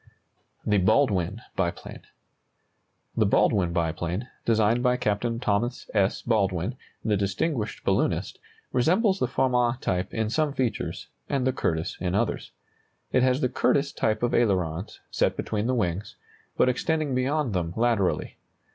THE BALDWIN BIPLANE. The Baldwin biplane, designed by Captain Thomas S. Baldwin, the distinguished balloonist, resembles the Farman type in some features, and the Curtiss in others. It has the Curtiss type of ailerons, set between the wings, but extending beyond them laterally.